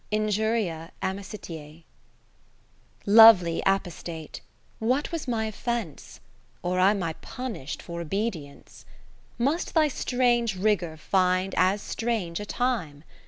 Injuria Amicitiae Lovely Apostate ! what was my offence ? Or am I punish'd for obedience ? Must thy strange rigour find as strange a time